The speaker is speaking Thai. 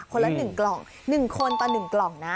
ละ๑กล่อง๑คนต่อ๑กล่องนะ